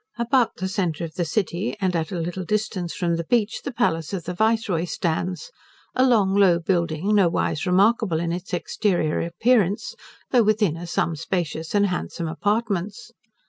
About the centre of the city, and at a little distance from the beach, the Palace of the Viceroy stands, a long, low building, no wise remarkable in its exterior appearance; though within are some spacious and handsome apartments.